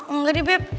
enggak deh beb